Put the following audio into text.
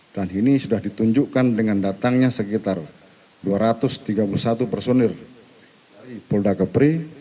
dan ini sudah ditunjukkan dengan datangnya sekitar dua ratus tiga puluh satu personir dari polda gebri